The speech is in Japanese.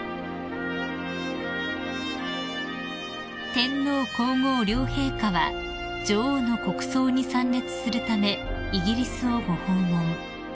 ［天皇皇后両陛下は女王の国葬に参列するためイギリスをご訪問］